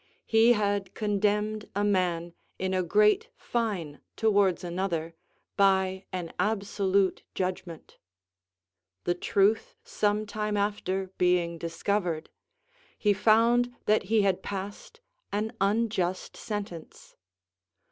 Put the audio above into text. He had condemned a man in a great fine towards another by an absolute judgment. The truth some time after being discovered, he found that he had passed an unjust sentence.